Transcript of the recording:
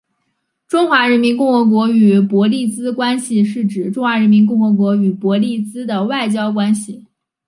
中华人民共和国与伯利兹关系是指中华人民共和国与伯利兹的外交关系。